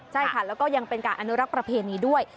ใช่ค่ะแล้วก็ยังเป็นการอนุรักษ์ประเพณีด้วย